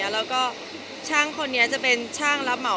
แล้วก็ช่างคนนี้จะเป็นช่างรับเหมา